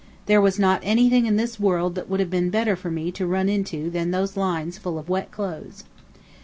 There was not anything in this world that would have been better for me to run into than those lines full of wet clothes.